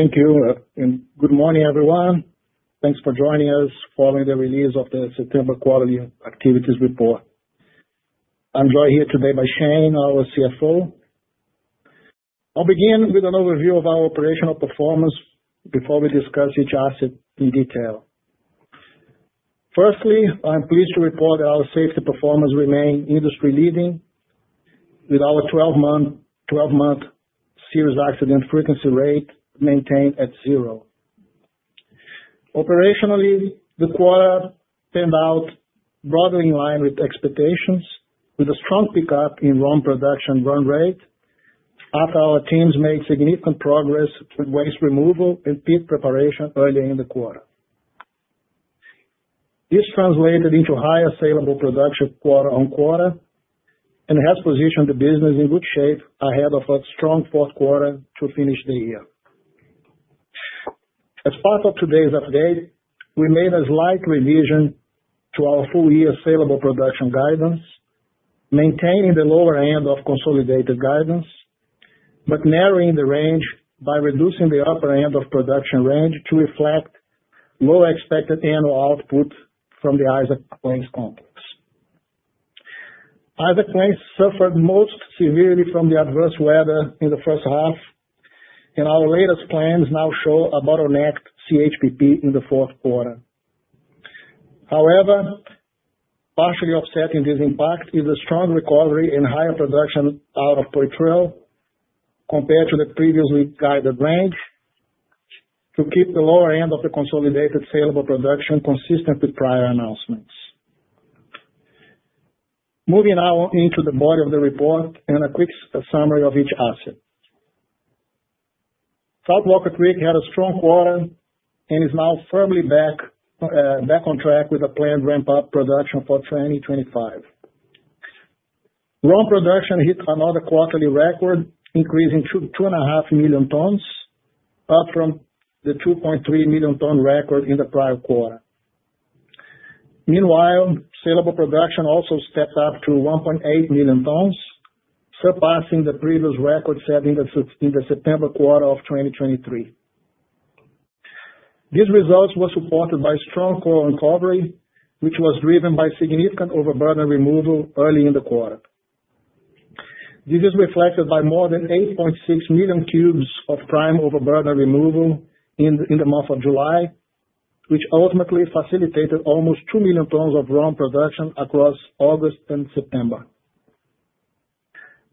Thank you, and good morning, everyone. Thanks for joining us following the release of the September Quarterly Activities Report. I'm joined here today by Shane, our CFO. I'll begin with an overview of our operational performance before we discuss each asset in detail. Firstly, I'm pleased to report that our safety performance remains industry-leading, with our 12-month serious accident frequency rate maintained at zero. Operationally, the quarter turned out broadly in line with expectations, with a strong pickup in ROM production run rate after our teams made significant progress with waste removal and pit preparation earlier in the quarter. This translated into higher saleable production quarter-on-quarter and has positioned the business in good shape ahead of a strong fourth quarter to finish the year. As part of today's update, we made a slight revision to our full-year saleable production guidance, maintaining the lower end of consolidated guidance but narrowing the range by reducing the upper end of production range to reflect low expected annual output from the Isaac Plains Complex. Isaac Plains suffered most severely from the adverse weather in the first half, and our latest plans now show a bottlenecked CHPP in the fourth quarter. However, partially offsetting this impact is the strong recovery in higher production out of Poitrel compared to the previously guided range to keep the lower end of the consolidated saleable production consistent with prior announcements. Moving now into the body of the report and a quick summary of each asset. South Walker Creek had a strong quarter and is now firmly back on track with a planned ramp-up production for 2025. ROM production hit another quarterly record, increasing to 2.5 million tons, up from the 2.3 million-ton record in the prior quarter. Meanwhile, saleable production also stepped up to 1.8 million tons, surpassing the previous record set in the September quarter of 2023. These results were supported by strong quarter recovery, which was driven by significant overburden removal early in the quarter. This is reflected by more than 8.6 million cubes of prime overburden removal in the month of July, which ultimately facilitated almost 2 million tons of ROM production across August and September.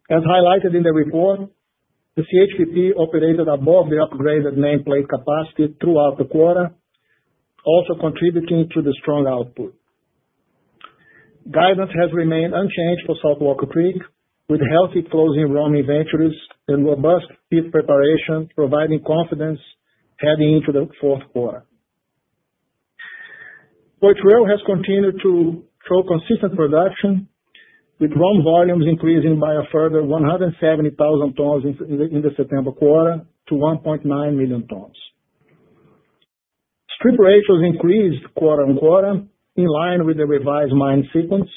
As highlighted in the report, the CHPP operated above the upgraded nameplate capacity throughout the quarter, also contributing to the strong output. Guidance has remained unchanged for South Walker Creek, with healthy closing ROM inventories and robust pit preparation providing confidence heading into the fourth quarter. Poitrel has continued to show consistent production, with ROM volumes increasing by a further 170,000 tons in the September quarter to 1.9 million tons. Strip ratios increased quarter-on-quarter in line with the revised mine sequence,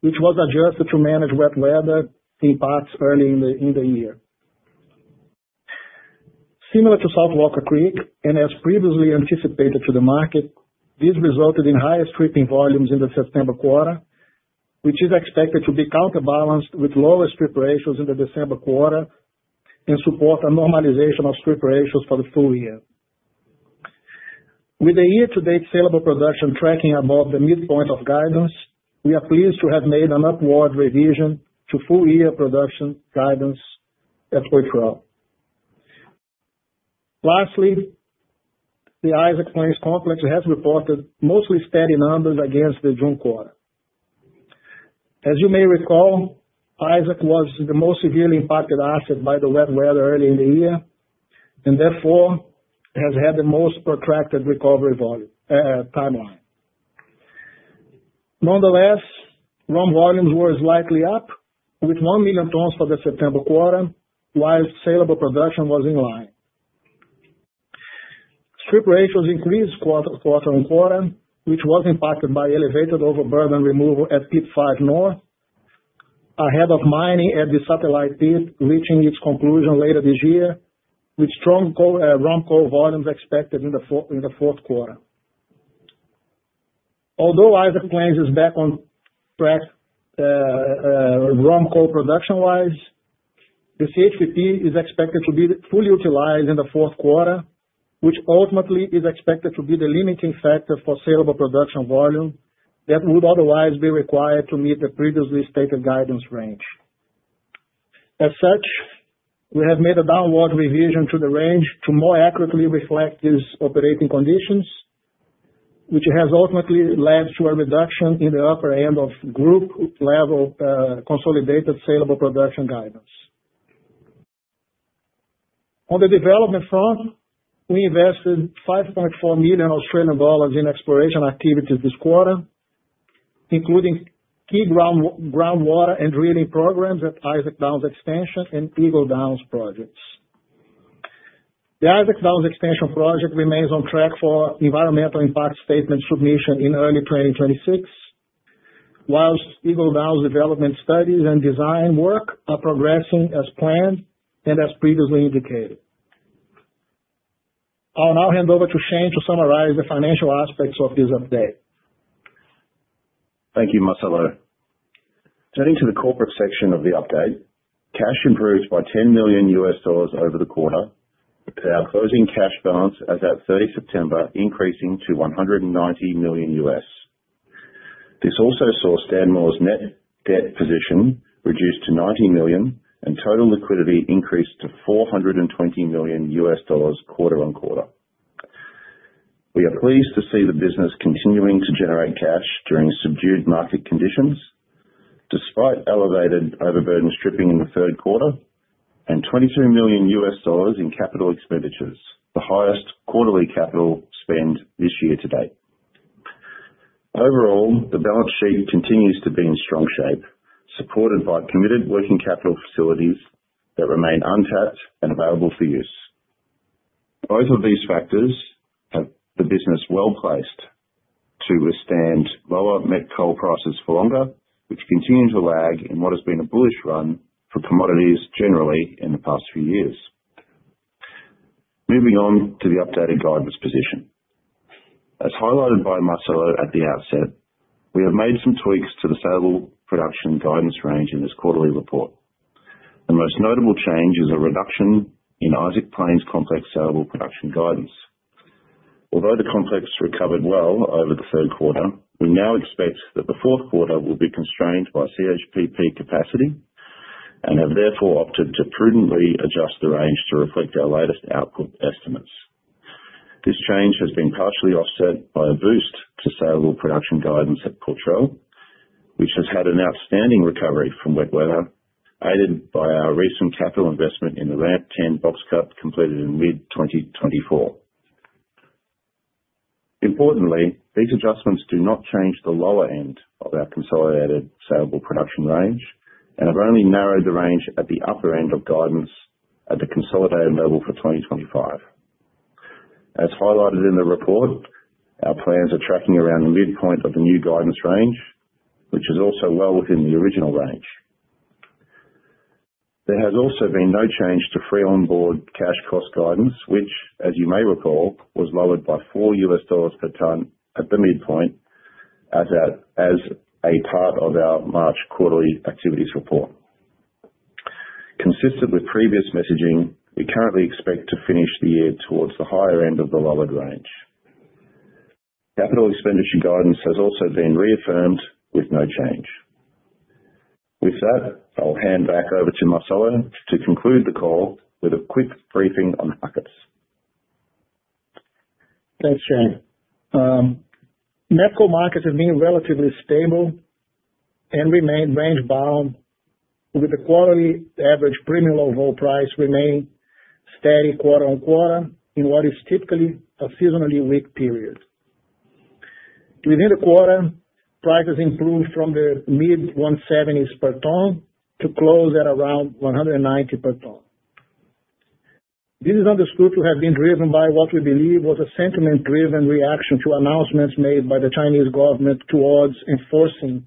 which was adjusted to manage wet weather in parts early in the year. Similar to South Walker Creek and as previously anticipated to the market, this resulted in higher stripping volumes in the September quarter, which is expected to be counterbalanced with lower strip ratios in the December quarter and support a normalization of strip ratios for the full year. With the year-to-date saleable production tracking above the midpoint of guidance, we are pleased to have made an upward revision to full-year production guidance at Poitrel. Lastly, the Isaac Plains Complex has reported mostly steady numbers against the June quarter. As you may recall, Isaac was the most severely impacted asset by the wet weather early in the year and therefore has had the most protracted recovery timeline. Nonetheless, ROM volumes were slightly up with one million tons for the September quarter, while saleable production was in line. Strip ratios increased quarter-on-quarter, which was impacted by elevated overburden removal at Pit 5 North ahead of mining at the satellite pit, reaching its conclusion later this year, with strong ROM coal volumes expected in the fourth quarter. Although Isaac Plains is back on track ROM coal production-wise, the CHPP is expected to be fully utilized in the fourth quarter, which ultimately is expected to be the limiting factor for saleable production volume that would otherwise be required to meet the previously stated guidance range. As such, we have made a downward revision to the range to more accurately reflect these operating conditions, which has ultimately led to a reduction in the upper end of group-level consolidated saleable production guidance. On the development front, we invested 5.4 million Australian dollars in exploration activities this quarter, including key groundwater and drilling programs at Isaac Downs Extension and Eagle Downs projects. The Isaac Downs Extension project remains on track for Environmental Impact Statement submission in early 2026, whilst Eagle Downs development studies and design work are progressing as planned and as previously indicated. I'll now hand over to Shane to summarize the financial aspects of this update. Thank you, Marcelo. Turning to the corporate section of the update, cash improved by $10 million over the quarter, with our closing cash balance as of 30 September increasing to $190 million. This also saw Stanmore's net debt position reduced to $90 million and total liquidity increased to $420 million quarter-on-quarter. We are pleased to see the business continuing to generate cash during subdued market conditions, despite elevated overburden stripping in the third quarter and $22 million in capital expenditures, the highest quarterly capital spend this year to date. Overall, the balance sheet continues to be in strong shape, supported by committed working capital facilities that remain untapped and available for use. Both of these factors have the business well placed to withstand lower met coal prices for longer, which continue to lag in what has been a bullish run for commodities generally in the past few years. Moving on to the updated guidance position. As highlighted by Marcelo at the outset, we have made some tweaks to the saleable production guidance range in this quarterly report. The most notable change is a reduction in Isaac Plains Complex saleable production guidance. Although the complex recovered well over the third quarter, we now expect that the fourth quarter will be constrained by CHPP capacity and have therefore opted to prudently adjust the range to reflect our latest output estimates. This change has been partially offset by a boost to saleable production guidance at Poitrel, which has had an outstanding recovery from wet weather, aided by our recent capital investment in the Ramp 10 box cut completed in mid-2024. Importantly, these adjustments do not change the lower end of our consolidated saleable production range and have only narrowed the range at the upper end of guidance at the consolidated level for 2025. As highlighted in the report, our plans are tracking around the midpoint of the new guidance range, which is also well within the original range. There has also been no Free on Board cash cost guidance, which, as you may recall, was lowered by $4 per ton at the midpoint as a part of our March quarterly activities report. Consistent with previous messaging, we currently expect to finish the year towards the higher end of the lowered range. Capital expenditure guidance has also been reaffirmed with no change. With that, I'll hand back over to Marcelo to conclude the call with a quick briefing on the markets. Thanks, Shane. Met coal markets have been relatively stable and remained range-bound, with the quality average premium overall price remaining steady quarter-on-quarter in what is typically a seasonally weak period. Within the quarter, prices improved from the mid-AUD 170 per ton to close at around 190 per ton. This is understood to have been driven by what we believe was a sentiment-driven reaction to announcements made by the Chinese government towards enforcing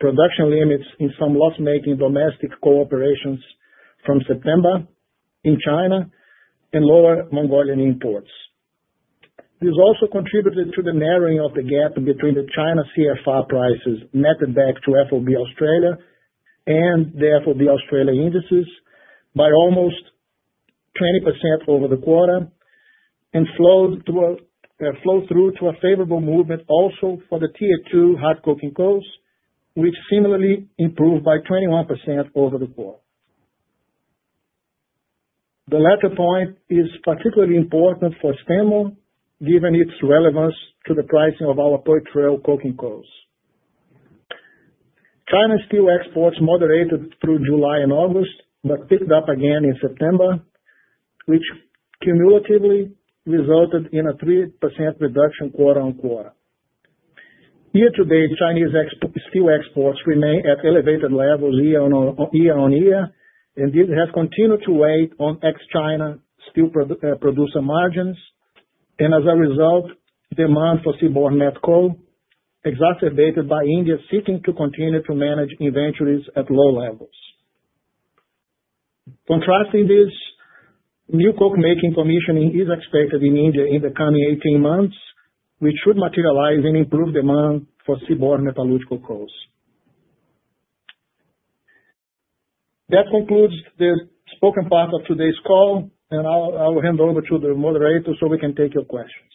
production limits in some loss-making domestic corporations from September in China and lower Mongolian imports. This also contributed to the narrowing of the gap between the China CFR prices matched back to FOB Australia and the FOB Australia indices by almost 20% over the quarter and flowed through to a favorable movement also for the tier two hard coking coals, which similarly improved by 21% over the quarter. The latter point is particularly important for Stanmore, given its relevance to the pricing of our Poitrel coking coals. China's steel exports moderated through July and August but picked up again in September, which cumulatively resulted in a 3% reduction quarter-on-quarter. Year-to-date, Chinese steel exports remain at elevated levels year-on-year, and this has continued to weigh on ex-China steel producer margins. nd as a result, demand for seaborne met coal exacerbated by India's seeking to continue to manage inventories at low levels. Contrasting this, new coke-making commissioning is expected in India in the coming 18 months, which should materialize in improved demand for seaborne metallurgical coals. That concludes the spoken part of today's call, and I'll hand over to the moderator so we can take your questions.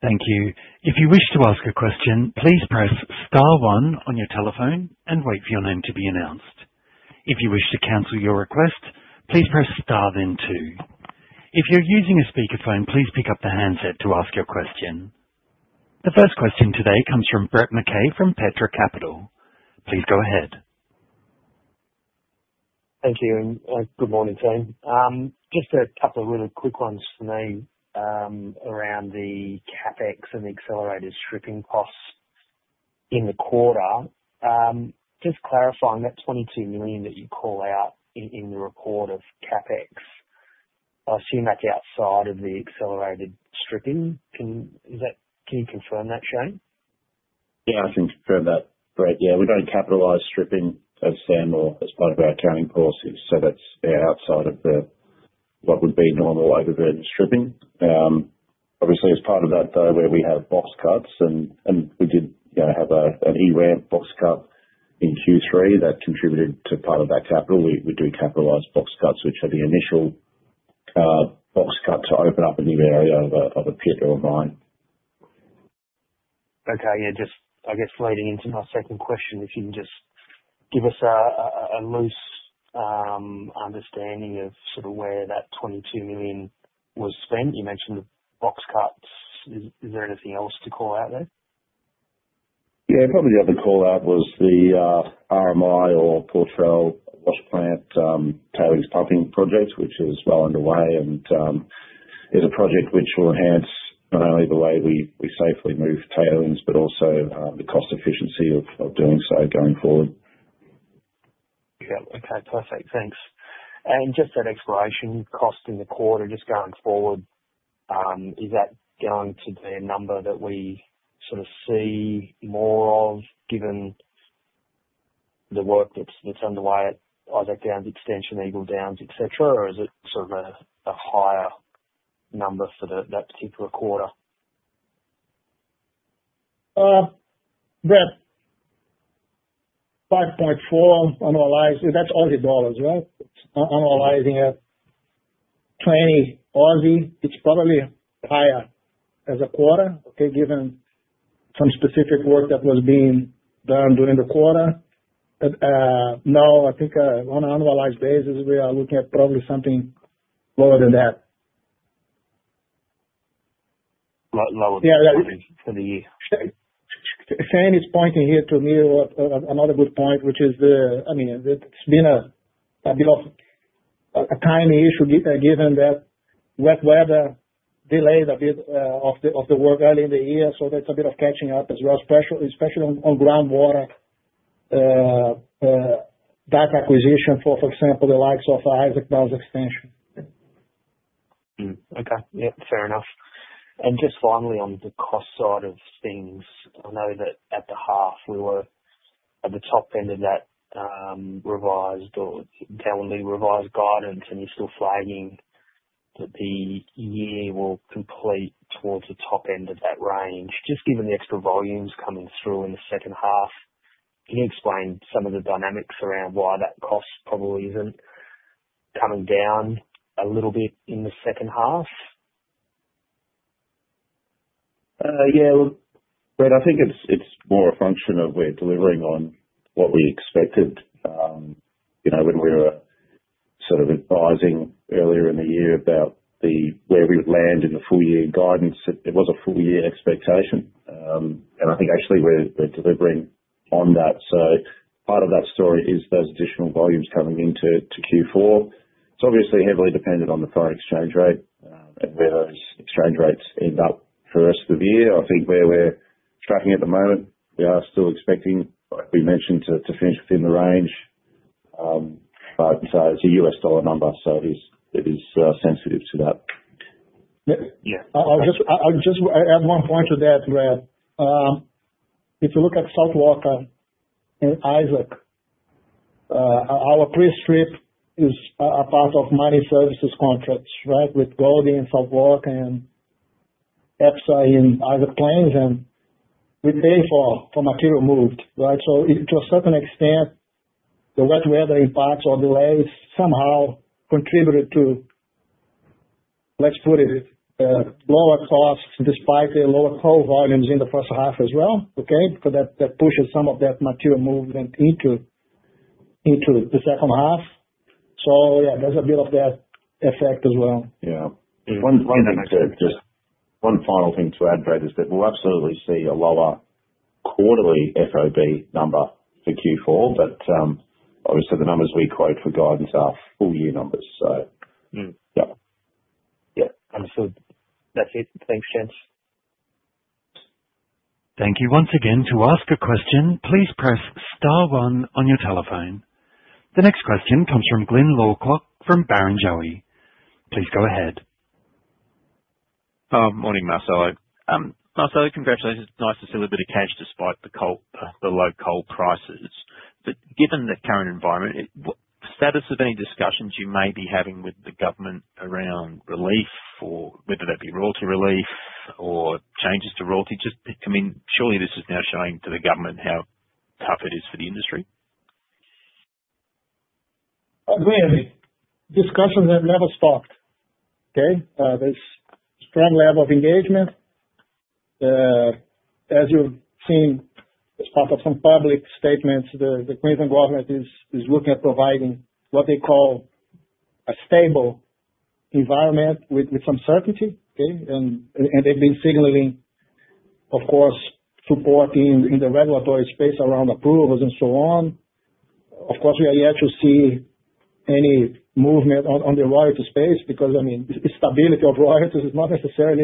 Thank you. If you wish to ask a question, please press star one on your telephone and wait for your name to be announced. If you wish to cancel your request, please press star then two. If you're using a speakerphone, please pick up the handset to ask your question. The first question today comes from Brett McKay from Petra Capital. Please go ahead. Thank you, and good morning, Shane. Just a couple of really quick ones for me around the CapEx and the accelerated stripping costs in the quarter. Just clarifying that 22 million that you call out in the report of CapEx, I assume that's outside of the accelerated stripping. Can you confirm that, Shane? Yeah, I can confirm that. Brett, yeah, we don't capitalize stripping at Stanmore as part of our accounting policy, so that's outside of what would be normal overburden stripping. Obviously, as part of that, though, where we have box cuts, and we did have an E ramp box cut in Q3 that contributed to part of that capital, we do capitalize box cuts, which are the initial box cut to open up a new area of a pit or a mine. Okay, yeah, just I guess leading into my second question. If you can just give us a loose understanding of sort of where that 22 million was spent. You mentioned the box cuts. Is there anything else to call out there? Yeah, probably the other callout was the RMA or Poitrel wash plant tailings pumping project, which is well underway, and it's a project which will enhance not only the way we safely move tailings but also the cost efficiency of doing so going forward. Yeah, okay, perfect. Thanks. And just that exploration cost in the quarter just going forward, is that going to be a number that we sort of see more of given the work that's underway at Isaac Downs Extension, Eagle Downs, etc., or is it sort of a higher number for that particular quarter? Brett, 5.4 million. I'm analyzing that's Aussie dollars, right? Analyzing it, 20, it's probably higher as a quarter, okay, given some specific work that was being done during the quarter. No, I think on an annualized basis, we are looking at probably something lower than that. Lower than that for the year. Shane is pointing here to me another good point, which is the, I mean, it's been a bit of a timing issue given that wet weather delayed a bit of the work early in the year, so that's a bit of catching up as well, especially on groundwater data acquisition for, for example, the likes of Isaac Downs Extension. Okay, yeah, fair enough. And just finally on the cost side of things, I know that at the half we were at the top end of that revised or guaranteed revised guidance, and you're still flagging that the year will complete towards the top end of that range. Just given the extra volumes coming through in the second half, can you explain some of the dynamics around why that cost probably isn't coming down a little bit in the second half? Yeah, well, Brett, I think it's more a function of we're delivering on what we expected. When we were sort of advising earlier in the year about where we would land in the full year guidance, it was a full year expectation, and I think actually we're delivering on that. So part of that story is those additional volumes coming into Q4. It's obviously heavily dependent on the foreign exchange rate and where those exchange rates end up for the rest of the year. I think where we're tracking at the moment, we are still expecting, like we mentioned, to finish within the range, but it's a U.S. dollar number, so it is sensitive to that. Yeah, I'll just add one point to that, Brett. If you look at South Walker and Isaac, our pre-strip is a part of mining services contracts, right, with Goldie and Walker and EPSA in Isaac Plains, and we pay for material moved, right? So to a certain extent, the wet weather impacts or delays somehow contributed to, let's put it, lower costs despite the lower coal volumes in the first half as well, okay, because that pushes some of that material movement into the second half. So yeah, there's a bit of that effect as well. Yeah. One final thing to add, Brett, is that we'll absolutely see a lower quarterly FOB number for Q4, but obviously the numbers we quote for guidance are full year numbers, so yeah. Understood. That's it. Thanks, Shane. Thank you. Once again, to ask a question, please press star one on your telephone. The next question comes from Glyn Lawcock from Barrenjoey. Please go ahead. Morning, Marcelo. Marcelo, congratulations. Nice to see a little bit of cash despite the low coal prices. But given the current environment, status of any discussions you may be having with the government around relief, whether that be royalty relief or changes to royalty, just, I mean, surely this is now showing to the government how tough it is for the industry? Agreed. Discussions have never stopped, okay? There's a strong level of engagement. As you've seen as part of some public statements, the Queensland government is looking at providing what they call a stable environment with some certainty, okay, and they've been signalling, of course, support in the regulatory space around approvals and so on. Of course, we are yet to see any movement on the royalty space because, I mean, stability of royalties is not necessarily,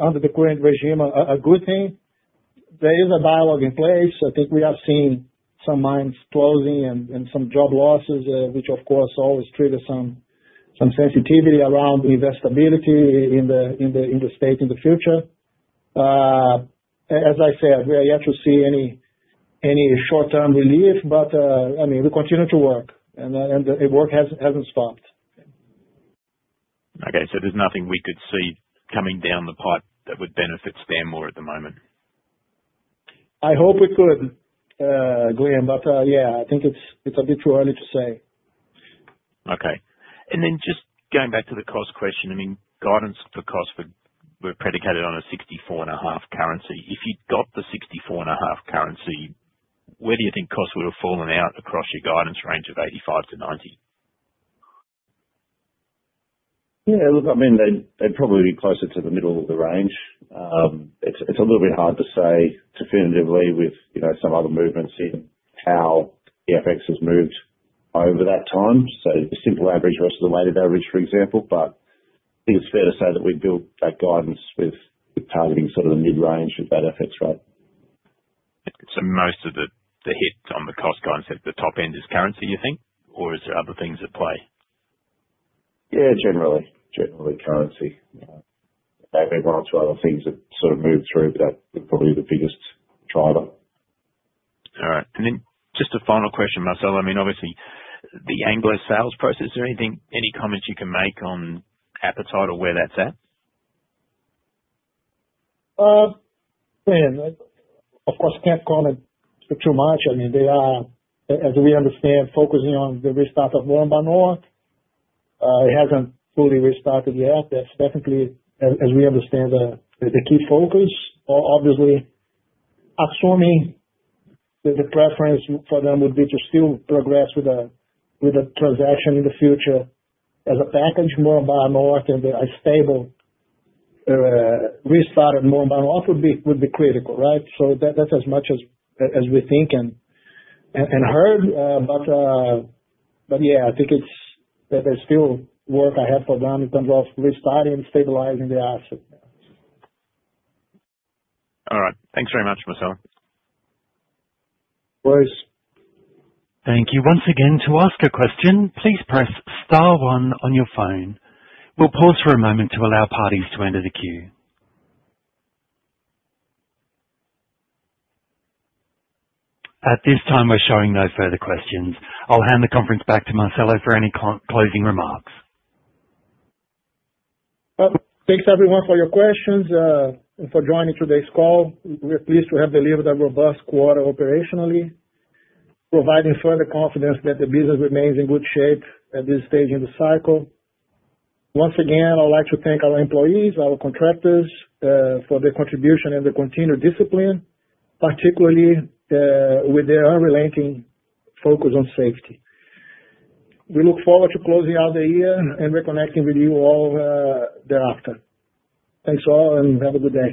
under the current regime, a good thing. There is a dialogue in place. I think we are seeing some mines closing and some job losses, which, of course, always triggers some sensitivity around investability in the state in the future. As I said, we are yet to see any short-term relief, but I mean, we continue to work, and the work hasn't stopped. Okay, so there's nothing we could see coming down the pipe that would benefit Stanmore at the moment? I hope we could, Glyn, but yeah, I think it's a bit too early to say. Okay. And then just going back to the cost question, I mean, guidance for costs were predicated on a 64.5 currency. If you'd got the 64.5 currency, where do you think costs would have fallen out across your guidance range of 85-90? Yeah, look, I mean, they'd probably be closer to the middle of the range. It's a little bit hard to say definitively with some other movements in how the FX has moved over that time, so the simple average versus the weighted average, for example, but I think it's fair to say that we'd build that guidance with targeting sort of the mid-range of that FX rate. So most of the hit on the cost guidance at the top end is currency, you think, or is there other things at play? Yeah, generally, generally currency. There may be one or two other things that sort of move through, but that would probably be the biggest driver. All right, and then just a final question, Marcelo. I mean, obviously, the Anglo sales process, is there any comments you can make on appetite or where that's at? Glyn, of course, can't comment too much. I mean, they are, as we understand, focusing on the restart of Moranbah North. It hasn't fully restarted yet. That's definitely, as we understand, the key focus. Obviously, assuming that the preference for them would be to still progress with a transaction in the future as a package, Moranbah North and a stable restart of Moranbah North would be critical, right? So that's as much as we're thinking and heard, but yeah, I think it's still work ahead for them in terms of restarting and stabilizing the asset. All right. Thanks very much, Marcelo. Of course. Thank you. Once again, to ask a question, please press star one on your phone. We'll pause for a moment to allow parties to enter the queue. At this time, we're showing no further questions. I'll hand the conference back to Marcelo for any closing remarks. Thanks, everyone, for your questions and for joining today's call. We're pleased to have delivered a robust quarter operationally, providing further confidence that the business remains in good shape at this stage in the cycle. Once again, I'd like to thank our employees, our contractors, for their contribution and their continued discipline, particularly with their unrelenting focus on safety. We look forward to closing out the year and reconnecting with you all thereafter. Thanks all, and have a good day.